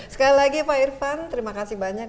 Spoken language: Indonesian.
sekali lagi pak irfan terima kasih banyak